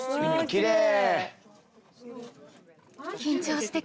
きれい。